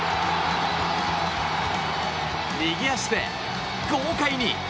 右足で豪快に！